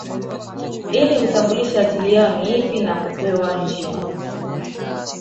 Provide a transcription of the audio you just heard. Ili kutambulisha asili yao ni ipi na kupewa heshima